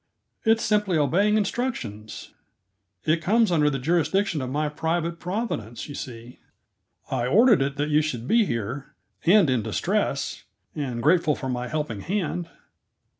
"It's simply obeying instructions. It comes under the jurisdiction of my private Providence, you see. I ordered it that you should be here, and in distress, and grateful for my helping hand."